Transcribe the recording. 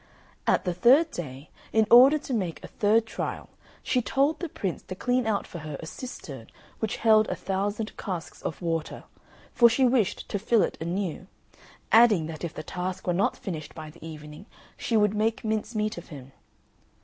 At the third day, in order to make a third trial, she told the Prince to clean out for her a cistern which held a thousand casks of water, for she wished to fill it anew, adding that if the task were not finished by the evening she would make mincemeat of him.